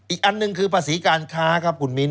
อีกอันหนึ่งคือภาษีการค้าครับคุณมิ้น